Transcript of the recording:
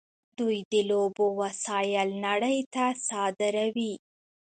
دوی د لوبو وسایل نړۍ ته صادروي.